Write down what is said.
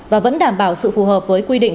và vẫn đảm bảo sự phù hợp với quy định